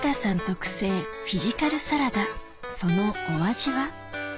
特製そのお味は？